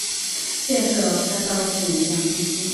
建设开发股份有限公司